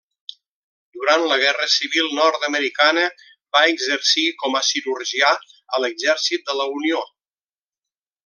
Durant la Guerra Civil Nord-americana va exercir com a cirurgià a l'Exèrcit de la Unió.